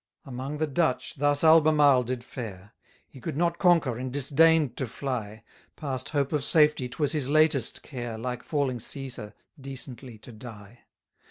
88 Among the Dutch thus Albemarle did fare: He could not conquer, and disdain'd to fly; Past hope of safety, 'twas his latest care, Like falling Cæsar, decently to die.